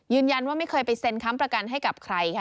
ยืนยันว่าไม่เคยไปเซ็นค้ำประกันให้กับใคร